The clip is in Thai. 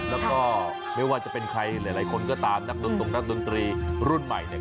แล้วก็ไม่ว่าจะเป็นใครหลายคนก็ตามนักดนตรงนักดนตรีรุ่นใหม่เนี่ย